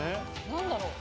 何だろう？